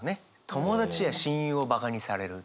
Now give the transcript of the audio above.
友達や親友をバカにされるって。